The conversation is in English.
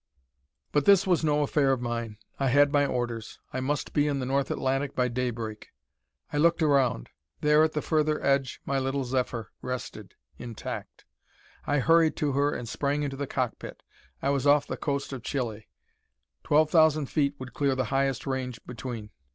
But this was no affair of mine. I had my orders. I must be in the North Atlantic by daybreak. I looked around. There at the further edge my little Zephyr rested, intact. I hurried to her and sprang into the cockpit. I was off the coast of Chile. Twelve thousand feet would clear the highest range between.